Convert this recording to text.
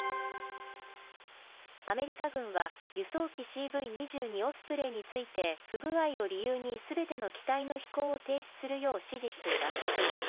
アメリカ軍は、輸送機ＣＶ２２オスプレイについて不具合を理由にすべての機体の飛行を停止するよう指示しています。